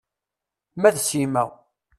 Ma d Sima.